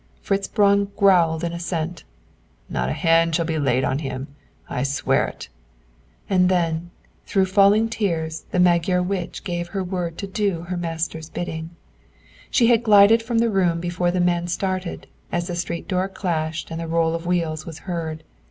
Fritz Braun growled an assent. "Not a hand shall be laid on him. I swear it!" And then, through falling tears, the Magyar witch gave her word to do her master's bidding. She had glided from the room before the man started, as the street door clashed and the roll of wheels was heard.